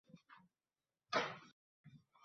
U sinfning tafovuti borligini sezganday bo‘ldi.